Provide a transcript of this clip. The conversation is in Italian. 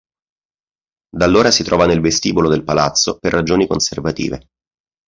Da allora si trova nel vestibolo del Palazzo per ragioni conservative.